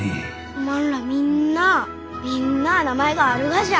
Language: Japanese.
おまんらみんなあみんなあ名前があるがじゃ？